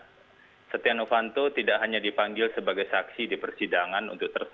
karena setia novanto tidak hanya dipanggil sebagai saksi di persidangan